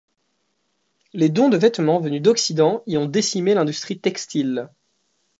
Les dons de vêtements venus d'Occident y ont décimé l'industrie textile.